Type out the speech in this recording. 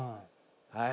はい。